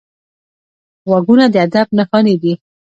غوږونه د ادب نښانې دي